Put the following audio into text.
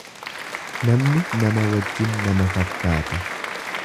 Namni nama wajjin nama fakkaata.